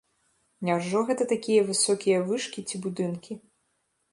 Няўжо гэта такія высокія вышкі ці будынкі?